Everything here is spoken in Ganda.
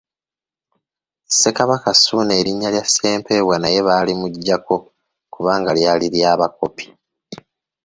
Ssekabaka Ssuuna erinna lya Ssempeebwa naye baalimuggyako kubanga lyali lya bakopi.